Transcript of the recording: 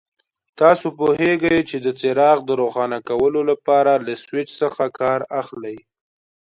تاسو پوهېږئ چې د څراغ د روښانه کولو لپاره له سویچ څخه کار اخلي.